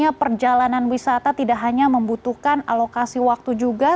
karena perjalanan wisata tidak hanya membutuhkan alokasi waktu juga